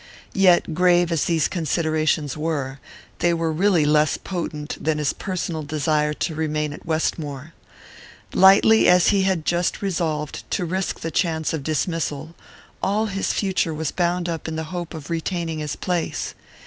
Yet, grave as these considerations were, they were really less potent than his personal desire to remain at Westmore. Lightly as he had just resolved to risk the chance of dismissal, all his future was bound up in the hope of retaining his place.